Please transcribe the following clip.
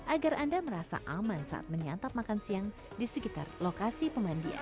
agar anda merasa aman saat menyantap makan siang di sekitar lokasi pemandian